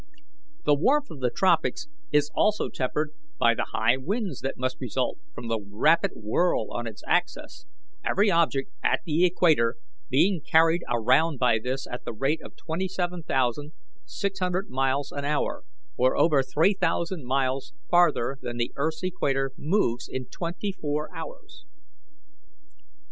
The warmth of the tropics is also tempered by the high winds that must result from the rapid whirl on its axis, every object at the equator being carried around by this at the rate of 27,600 miles an hour, or over three thousand miles farther than the earth's equator moves in twenty four hours.